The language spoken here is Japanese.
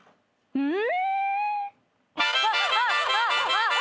うん！？